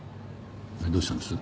どうしたんです？